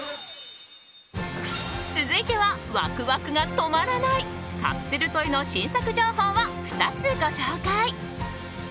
続いてはワクワクが止まらないカプセルトイの新作情報を２つご紹介。